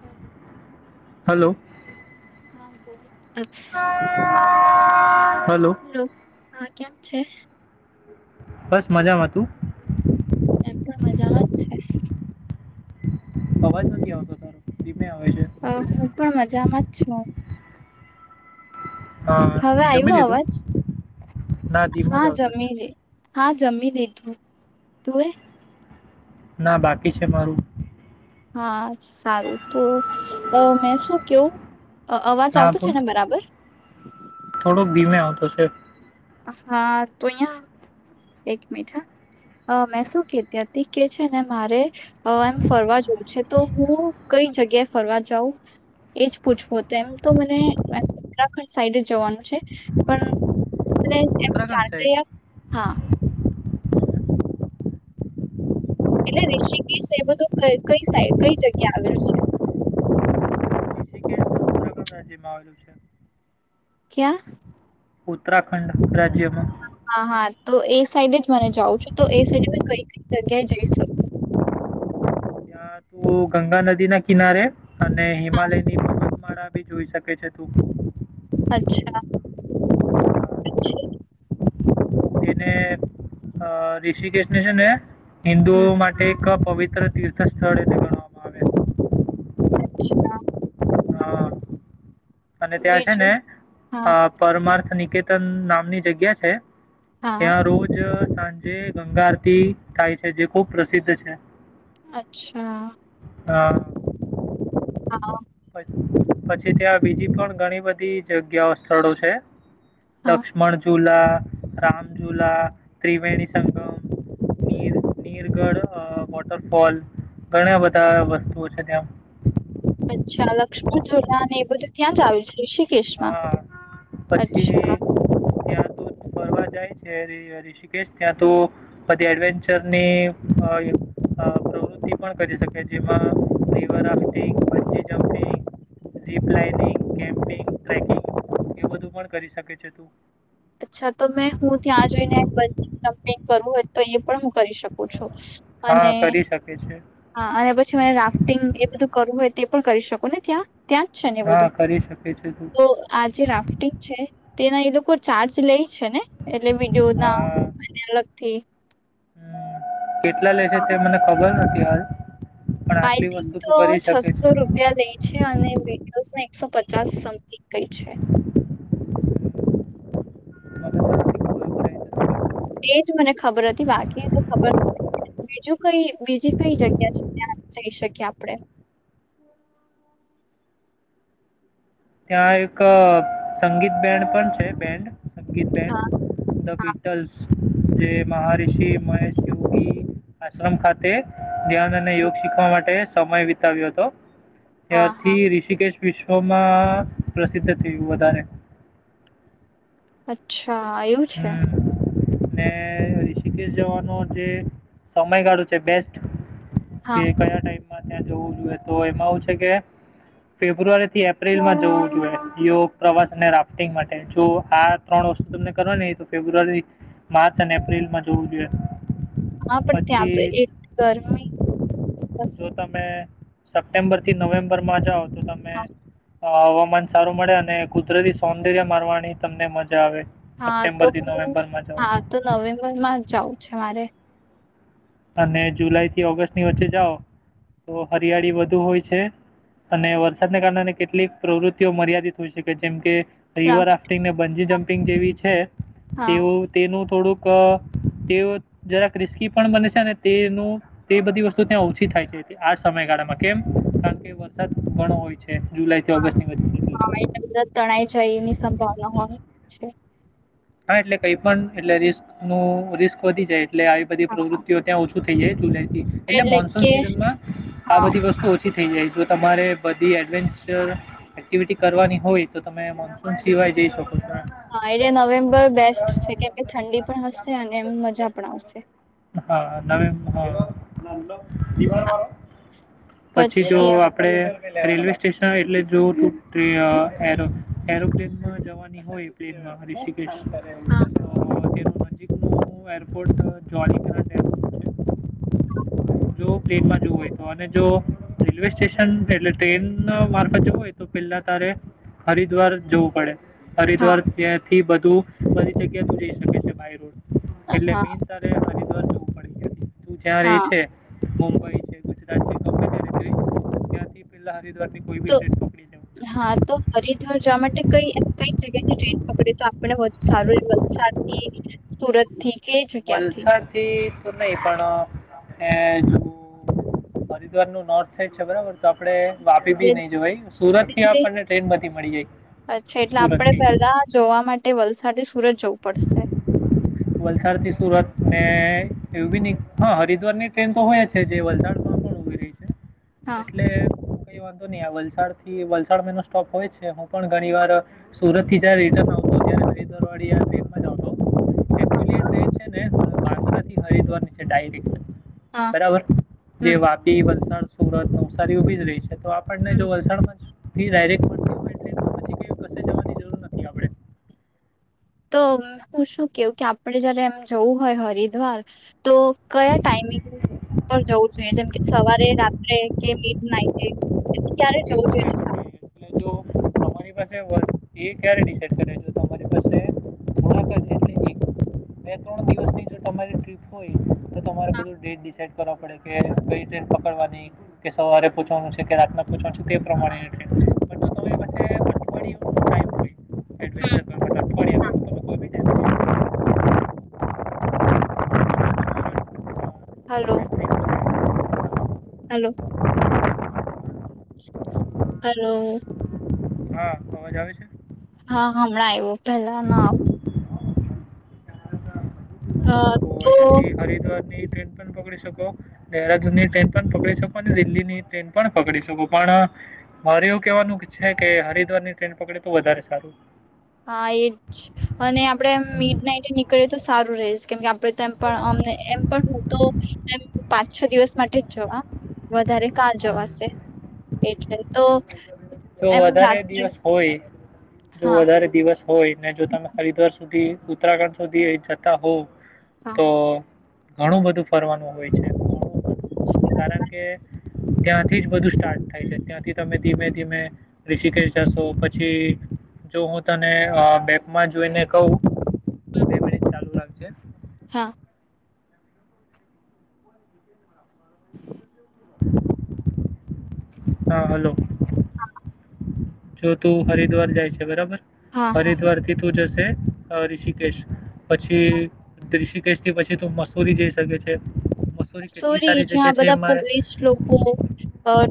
હમ્મ. Hello. હા બોલ. [unintelligible] Hello હા કેમ છે બસ મજામાં તું એમ મજા છે અવાજ નથી આવતો તારો ધીમે આવે છે હ હું પણ મજામાં જ છું હા હવે જમી આવ્યો અવાજ લીધું ના ધીમો હા જ આવતો છે જમી લે હા જમી દીધું તું એ ના બાકી છે મારું હા સારું તો મેં શું કેવું અ અવાજ આવતો છે ને બરાબર હ થોડો ધીમે આવતો છે હા તો અહિયાં એક મીઠા મેં શું કે તથી કે છે ને મારે એમ ફરવા જવું છે તો હું કઈ જગ્યાએ ફરવા જાઉં એજ પૂછવું હતું એમ તો મને ઉત્તરાખંડ સાઈડ જ જવાનું છે પણ ઉત્તરાખંડ સાઈડ જાણકિયા હા એટલે ઋષિકેશ એ બધો કઈ સાઈડ કઈ જગ્યા આવેલું છે ઋષિકેશ ઉત્તરાખંડ રાજ્યમાં આવેલું છે ક્યા ઉત્તરાખંડ રાજ્યમાં હા હા તો એ સાઈડ જ મને જાઉં છું તો એ સાઈડ મે કઈ કઈ જગ્યાએ જઈ શકું ત્યાં તું ગંગા નદી ના કિનારે અને હિમાલયનીતમાળા ભી જોઈ શકે છે તું અચ્છા છે એને ઋષિકેશ ને છે ને હિન્દુઓ માટે એક પવિત્ર તીર્થ સ્થળ ગણવામાં આવે અચ્છા હા અને ત્યાં છે ને બીજું હા પરમાર્થ નિકેતન નામની જગ્યા છે હા ત્યાં રોજ સાંજે ગંગા આરતી થાય છે જે ખુબ પ્રસિદ્ધ છે અચ્છા હા હા પછી ત્યાં બીજી પણ ઘણી બધી જગ્યાઓ સ્થળો છે હા લક્ષ્મણ ઝુલા રામજુલા, ત્રિવેણી સંગમ, નીરગઢ વોટરફોલ ઘણા બધા વસ્તુઓ છે ત્યાં. અચ્છા! લક્ષ્મણ ઝુલા એ બધું ત્યાં જ આવે છે શ? કશ્મા હા પછી અચ્છા! ત્યાં તો ફરવા જાય છે. ઋષિકેશ ત્યાં તો બધી એડવેન્ચરની પ્રવૃત્તિ પણ કરી શકે.. જેમાં river rafting, bungee jumping, ziplining, camping. થ એ બધું પણ કરી શકે છે તું. અચ્છા તો મેં હું ત્યાં જોઈને જમ્પિંગ કરવું હોય તો એ પણ હું કરી શકું છું. અને હા કરી શકે છે હા અને પછી મે રાફ્ટિંગ એ બધું કરવું હોય તે. પણ કરી શકો ને ત્યાં? ત્યાં જ છે ને બધું? હા કરી શકે છે તું તો આ જે રાફ્ટિંગ છે. તે ન એ લોકો. ચાર્જ લઈ? છે ને એટલે વિડીયો ના હા અલગથી. [inaudible] કેટલા લેશે, તે હા, મને ખબર નથી. [unintelligible] આઈ આટલી થિંક વસ્તુ તું તો, કરી શકે છે. છસો રૂપિયા લે છે. અને વિટોસને એકસો પચાસ સમથિંગ. કઈ છે. મને [inaudible] એજ મને ખબર હતી. બાકીને તો ખબર. બીજું કઈ બીજી કઈ જગ્યા છે ત્યાં જઈ શકીએ આપણેે? ત્યાં એક સંગીત બેન્ડ પણ છે બેન્ડ સંગીત બેન. હા ધ હા બીટલસ જે મહારષિ મહેશ યોગી આશ્રમ ખાતે. ધ્યાન અને યોગ શીખવા માટે. સમય વિતાવ્યો હતો. હા હા ત્યારથી ઋષિકેશ. વિશ્વમાં. પ્રસિદ્ધ થયું વધારે. અચ્છા! હ હા હમ. એવું છે. ને ઋષિકેશ જવાનો જે સમયગાળો છે બેસ્ટ. કે હા કયા ટાઈમ? તું જોઈએ તો એમાંું છે કે, ફેબ્રુઆરી થી એપ્રિલમાં જવું જોઈએ. પ્રવાસ અને રાફ્ટિંગ માટે, જો આ ત્રણ વસ્તુ તને. કરો ને એ તો ફેબ્રુઆરી માર્ચ અને એપ્રિલ માં જોવું જોઈએ. હા પણ ત્યાં આવ તો પછી એ ગરમી. સપ્ટેમ્બર થી નવેમ્બરમાં જ આવ. તો તમે. હવામાન સારું મળે, અને કુદરતી સૌંદર્ય મારવાની તમને મજા આવે. હા તો સપ્ટેમ્બરથી હું નવેમ્બરમાં જાઓ હા તો નવેમ્બરમાં જાઉં છે મારે. અને જુલાઈ થી ઓગસ્ટની વચ્ચે જાઓ તો હરિયાળી વધુ હોય છે અને વરસાદને કારણે કેટલીક પ્રવૃત્તિઓ મર્યાદિત હોય છેકે જેમ કે રિવર રાફ- રાફ્ટિંગ ને બંજી જમપ પિંગ જેવી છે હા તેઓ તેનું થોડુંક તે જરા ક્રિસ્કી પણ બને તેનું તે બધી વસ્તુ ત્યાં ઓછી થાય છે આ સમયગાળામાં કેમ કારણ કે વરસાદ ઘણો હોય છે જુલાઈથી હા ઓગસ્ટની વચ્ચે હા એટલા બધા તણાઈ જાય એની સંભાવના હોય છે હા એટલે કઈ પણ એટલે રિસ્ક નું રિસ્ક વધી જાય એટ આવી બધી હા હા. પ્રવૃત્તિઓ ત્યાં ઉછી ું થઈ જાય તું ને એટલે મોનસૂન સિઝનમાં આ હા બધી વસ્તુ ઓછી થઈ જાય જો તમારે બધી એડવેન્ચર એક્ટિવિટી કરવાની હોય તો તમે મોન્સૂન સિવાય જઈ શકો હા એલે છો નવેમબર ખબર બેસ્ટ છે કે ઠંડી પણ હશે અને એમ મજા પણ આવશે હા, ો મા પછી જો આપડે રેલવે સ્ટેશન એટલે જો તું એરોપ્લેન જવાની હોય પ્લેનમાં કર હા નજીક ન એરપોર્ટ જોડી મપ છે [inaudible] જો ટ્્રેનમાં જોવું હોય તો અને જો રેલવે સ્ટેશન એટલે ટ્રેન મારફત જવું હોય તો પેલા તારે હરિદ્વાર જવું પડે હા હરિદ્્વાર ક્યા ીબ છે તું પચક્યા તુંઈ શકે છે બાય રોડ એટલે હા મીન તરે ડી તું ત્યાં ર હા છે મુંબઈ છે ગુજરાત છે તો કે રીતે ત્યાંથી પેલા તો હા તો હરિદ્વાર જવા માટે કઈ કઈ જગ્યા થી ટ્રેન પકડે તો આપ વધુ સારું એ વલસાડ થી સુરત થી કે જગ્યાથી વલસાથી તો નહી પણ જો હરિદ્વાર નું નોર્થ સાઈડ છે બરાબર તો આપણે વાપી બી એટલે- નહી જો સુરત થી એટલે આપણને ટ્રેન બધી મળી જાય સુરત થી તે વલસાડથી સુ વલસાડ થી સુરત અને એવું બી હા હરિદ્વાર ની ટ્રેન તો હોય છે જે વલસાડમાં પણ ઉભ રહી છે. હા. એટલે ક વાંધો નહી આ વલસાડ થી વલસાડ મેનો સ્ટોપ હોય છે હ. પણ ઘણી વાર સુરત થીર રઇટર્ન આવતો બે દરવાડીયા હ. થી હરીદવાની છે ડરેક્ટ. હા બરાબર, જે હમ વાપી, વલસાડ સુરત નવસારી ઉભી જ રહી છે. તો આપણને હમ જો વલસાડમાં ડાયરેક્ટ ટ પછી ક જવાની જરૂર નથી આપડે. તો હું શું કેવું કે આપડે જયારે એમ જવું હોય હરિદ્વાર. તો કયા ટાઈમિંગ જવું જોઈએ જેમ કે સવારે રાત્રે કે મિડ નાઈટે ક્યારે એવું જવું જોઈએ તો કર [unintelligible] બે ત્રણ દિવસની જો તમારી ટ્રીપ હોય. તો તમારે સારું હા બધું ડેટ સેટ કરવા પડે કે કઈ ટ્રેન પકડવાની, કે સવારે પૂંચવાનું છે કે રાતના પૂચવાનું છે તે પ્રમાણે ટ્રેન પણરી પા હમ ટમ એવેચર હલો. પકડી શકો. હલો. હલો. હા અવાજ આવે છે. હા હમણાં આવ્યો પેલા ના આવ અ તો હરિદ્વાર ની ટ્રેન પણ પકડી શકો, દહરાદૂન ની ટ્રેન પણ પકડી શકો અને દિલ્હી ની ટ્રેન પણ પકડી શકો, પણ મારું એવું કેવાનું છે કે હરિદ્વારની ટ્રેન પકડે તો વધારે સારું હા એજ અને આપડે હમ. મિડ નાઈટ નીકળી તો સારું રે કેમ કે આપડે તો એમ પણ અમને એમ પણ હું તો, પાંચ છ દિવસ માટે જ જવા, વધારે કા જવાશે, એટલે તો જો એમ વધારે રાત્રે દિવસ હોય જો હા વધારે દિવસ હોય ને જો તમે હરિદ્વાર સુધી ઉત્તરાખંડ સુધી જતા હોવ. હા તો ઘણું બધું ફરવાનું હોય છે. કારણ કે ત્યાંથી જ બધું સ્ટાર્ટ થાય છે ત્યાંથી તમે ધીમે ધીમે ઋષિકેશ જાશો પછી જો હું તને બેકમાં જોઈને કહ ચાલુ હા [inaudible] [inaudible] હા હલો જો તું હરિદ્વાર જાય છે બરાબર હા હા હરિદ્વાર દીધું જશે છે ઋષિકેશ પછી દ્રીષ ટેસ્ટી પછી તો મસૂરી જઈ શકે છે મસૂરી કેટલી સોરી સારી જ્યાં જગ્યા છે બધા એ મારે પોલીસ લોકો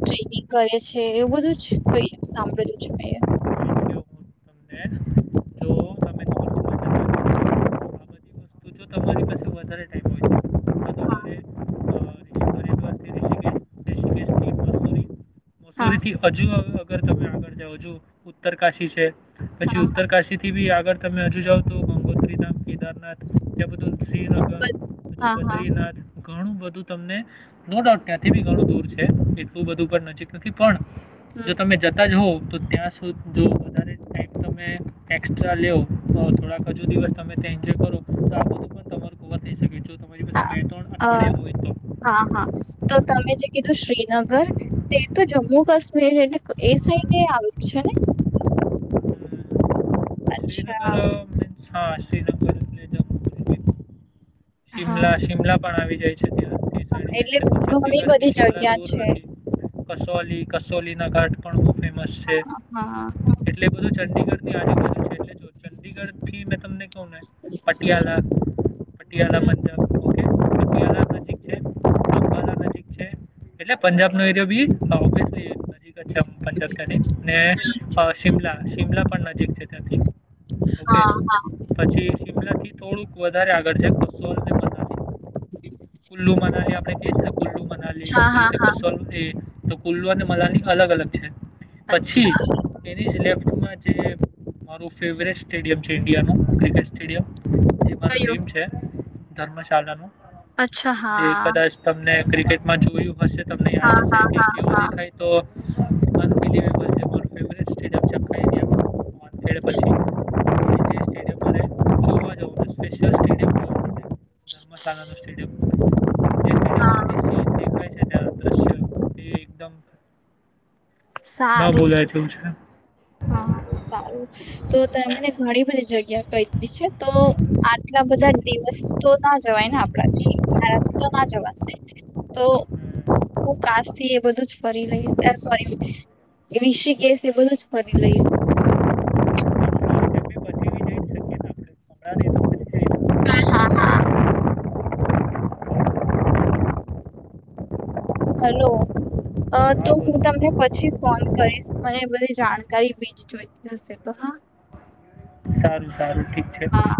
ટ કરે છે એવું બધું જ કઈ સાંભળલું છે મેં હ તો તમે થોડું વધારે આ બધી વસ્તુ જો તમારી પાસે વધારે ટાઈમ હોય હા તમારે અ, ઋષિ- હરિદ્વારથી ઋષિકેશ ઋષિકેશથી હા મસૂરી થી હજુ ત આગળ જા ઉત્તર કાશી છે પછી હા હા ઉત્તર કાશી થી બી અગર તમે હજુ જાઓ તો ગંગોત્રીધામ કેદારનાથ જેં બધું શ્રીનગર પછી હા હા પતાય ના જ ઘણું બધું તમને નો ડાઉટ ત્યાંથી બી ઘણું દૂર છે એટલું બધું પણ નક નથીથી પણ જો હમ તમે જતા જ હો તો ત્યાં સુધ જો વધારે ટાઈમ તમે એક્સ્ટ્રા લેઓ થોડાક હજુ દિવસ તમે ત્યાં એન્જોય કરો તો આ બધું પણ તમાર કવર થઈ શકે છો અ હા હા તો તમે જે કીધું શ્રીનગર ર તે તો જમ્મુ કાશ્મીર એને એ સાઈડ આવે્યું છે ને શ્રીનગર અચ્છા મીન્સ હા શ્રીનગર જમુ શિમલા શિમલા પણ આવી જાય છે ત્યાંથી હા સાઈડ જાય એટલે છે તો ઘણી બધી ચંદીગઢથી શિમલા જગ્યા દૂર છે નથી પણણ હા. ફમ છે એટલે બધું [unintelligible] એલે હમ, ચંદીગઢ થી હમ. મેં તમને કું ને પટિયાલા ગાર પંા [unintelligible] નજીક છેમ પંચક ટડી ને શિમલા શિમલા પણ નજીક છે ત્યાંથી હા-હા. શિમલ થી થોડુંક વધારે ગજક શોને કુલ્લુ મનાલી છે. કુલ્લૂ મનાલી હા, હા, ત હા. કસ એ તો કુલ્લુ અને મલાની અલગ અલગ છે. પછી અચ્છા ટેનિસ લેફ્ટ [unintelligible] મારો ફેવરિટ સ્ટેડિયમ છે ઇન્ડિયાનું મારો ફેવરિટ સ્ટેડિયમ કયો? ધર્મશાળા નું અચ્છા જે હા. કદાચ તમને ક્રિકેટમાં જોયું. અવશ્ય તમને યાદ હા, હશે હા, કે હા, કેઓ હા, દેખાય તો. [unintelligible] ધર્મશા નું સ્ટેડિયમ. [unintelligible] હા. ક છે ત દ્રશ્ય તે એકદમ ના સારું. તો બોલાય તેવું છે. હા સારું તો તને ઘણી બધી જગ્યા કી તો આટલા બધા દિવસ તો ના જવાયને આપણાથી મારાથી તો ના જવાશે તો હું કાસ થી એ બધું જ ફરી રહીશ સોરી ઋષિ કેસ એ બધું જ ફરી લઈશ. પછી વિજય શકીએ આપણે હમણાં નહીં તો પછી જઈશું હા-હા. હા. હલો તો હા હું બોલો તમને પછી ફોન કરીશ મને બધી જાણકારી બીજ જોઈતી હશે તો હા સારું. સારું ઠીક છે. હા.